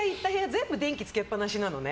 全部電気つけっぱなしなのね。